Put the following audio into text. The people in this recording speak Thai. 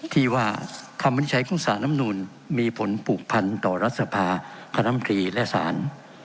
ที่ว่าคำวิจัยของศาลน้ำนูลมีผลปลูกพันธ์ต่อรัฐศาพาขนาดน้ำทรีย์และศาล